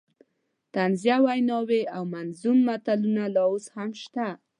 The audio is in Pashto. طنزیه ویناوې او منظوم متلونه لا اوس هم شته.